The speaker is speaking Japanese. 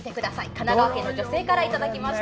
神奈川県の女性からいただきました。